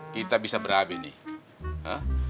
kita bisa berabe nih